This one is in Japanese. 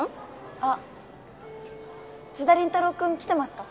あっ津田林太郎君来てますか？